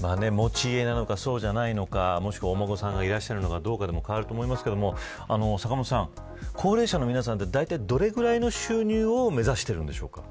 持ち家なのかそうでないのかもしくはお孫さんがいらっしゃるかどうかでも変わると思いますけれど高齢者の皆さん、大体どれぐらいの収入を目指しているんでしょうか。